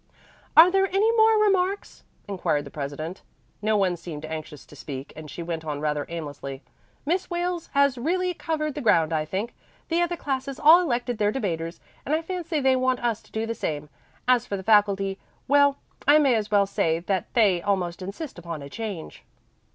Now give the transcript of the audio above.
"Are there any more remarks?" inquired the president. No one seemed anxious to speak, and she went on rather aimlessly. "Miss Wales has really covered the ground, I think. The other classes all elected their debaters, and I fancy they want us to do the same. As for the faculty well, I may as well say that they almost insist upon a change."